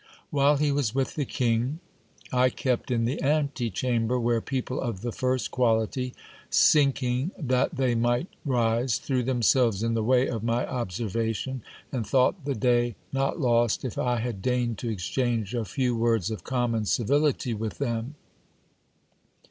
While he was with the king, I kept in the ante chamber, where people of the first quality, sinking that they might rise, threw themselves in the way of my observation, and thought the day not lost if I had deigned to exchange a few words of common civility with them.